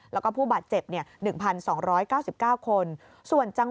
แล้วก็ผู้บาดเจ็บ๑๒๙๙คน